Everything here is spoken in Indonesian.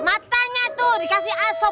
matanya tuh dikasih asal